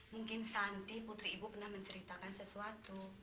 mungkin santi putri ibu pernah menceritakan sesuatu